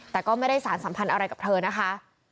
แต่ก็ไม่ได้สารสัมพันธ์อะไรกับเธอนะคะ